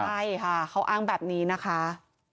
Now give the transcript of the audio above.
ใช่ค่ะเขาอ้างแบบนี้นะคะ